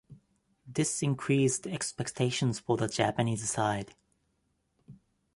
This increased expectations for the Japanese side.